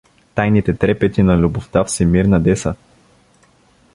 Тайните трепети на любовта всемирна де са?